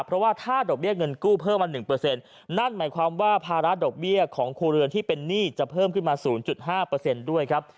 เพราะว่าถ้าดอกเบี้ยเงินกู้เพิ่มมา๑นั่นหมายความว่าภาระดอกเบี้ยของครัวเรือนที่เป็นหนี้จะเพิ่มขึ้นมา๐๕ด้วยครับ